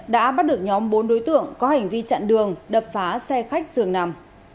đã bắt được nhóm bốn đối tượng có hành vi chặn đường đập phá xe khách dường nằm